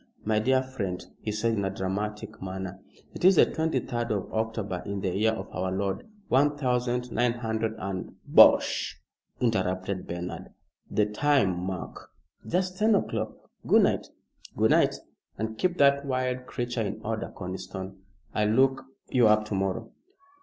"My dear friend," he said in a dramatic manner, "it is the twenty third of October, in the year of our Lord one thousand nine hundred and " "Bosh!" interrupted Bernard. "The time, Mark?" "Just ten o'clock. Good night!" "Good night, and keep that wild creature in order. Conniston, I'll look you up to morrow."